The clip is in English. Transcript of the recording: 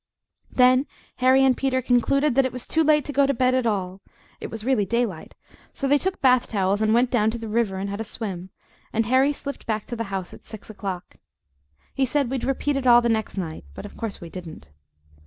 Then Harry and Peter concluded that it was too late to go to bed at all it was really daylight so they took bath towels and went down to the river and had a swim, and Harry slipped back to the house at six o'clock. He said we'd repeat it all the next night, but of course we didn't.